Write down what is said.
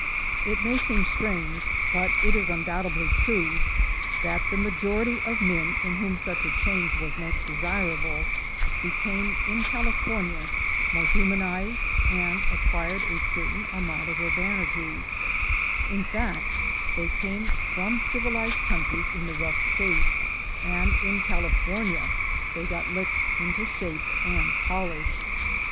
It may seem strange, but it is undoubtedly true, that the majority of men in whom such a change MINERS' LAW 149 was most desirable became in California more hu manized, and acquired a certain amount of urbanity; in fact, they came from civilized countries in the rough state, and in California got licked into shape, and polished.